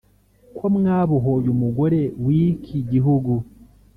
ko mwabohoye umugore w’iki gihugu